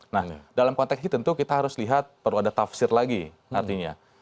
nah dalam konteks ini tentu kita harus lihat perlu ada tafsir lagi artinya